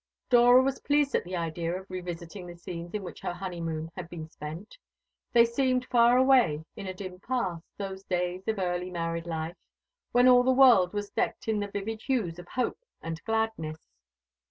Dora was pleased at the idea of revisiting the scenes in which her honeymoon had been spent. They seemed far away in a dim past, those days of early married life, when all the world was decked in the vivid hues of hope and gladness.